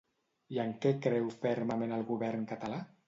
I en què creu fermament el govern català?